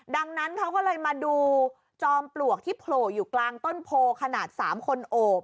ดังนั้นเขาก็เลยมาดูจอมปลวกที่โผล่อยู่กลางต้นโพขนาด๓คนโอบ